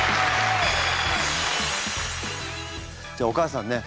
じゃあお母さんね